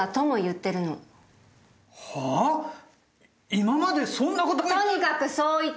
今までそんなこと。